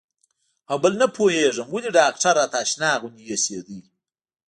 او بل نه پوهېږم ولې ډاکتر راته اشنا غوندې اېسېده.